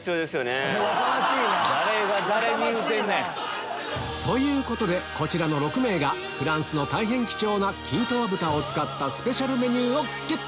誰が誰に言うてんねん！ということでこちらの６名がフランスの大変貴重なキントア豚を使ったスペシャルメニューをゲット！